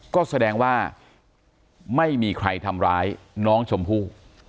ก็แสดงว่าไม่มีใครทำร้ายน้องชมพู่